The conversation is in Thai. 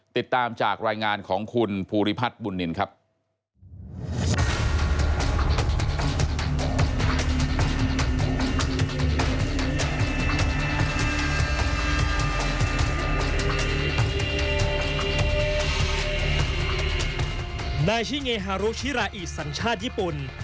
ติดตามจากรายงานของคุณภูริพัฒน์บุญนินครับ